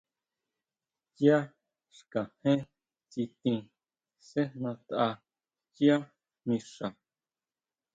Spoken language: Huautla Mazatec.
Yá xkajén tsitin sejnatʼa yá mixa.